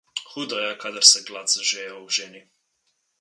Hudo je, kadar se glad z žejo oženi.